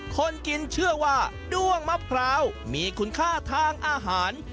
คนกินเชื่อว่าด้วงมะพร้าวมีคุณค่าทางอาหาร